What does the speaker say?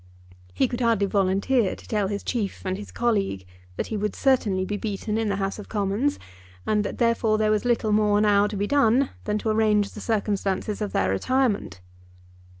He could hardly volunteer to tell his chief and his colleague that he would certainly be beaten in the House of Commons, and that therefore there was little more now to be done than to arrange the circumstances of their retirement.